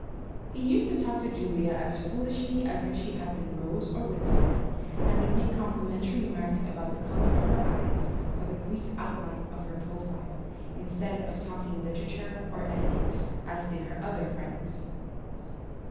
He used to talk to Julia just as foolishly as if she had been Rose or Winifred, and would make complimentary remarks about the color of her eyes, or the Greek outline of her profile, in 86 A LITTLE STUDY IN COMMON SENSE. stead of talking literature, or ethics, as did her other friends.